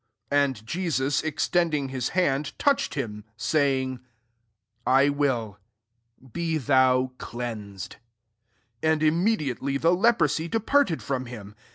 13 And Jews extending his hand, touch ed him, saying, *• I will : Be thou cleansed.'' And immedi ately the leprosy departed from him.